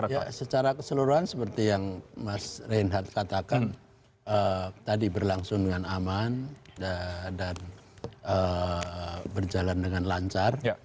ya secara keseluruhan seperti yang mas reinhardt katakan tadi berlangsung dengan aman dan berjalan dengan lancar